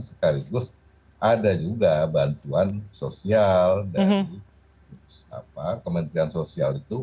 sekaligus ada juga bantuan sosial dari kementerian sosial itu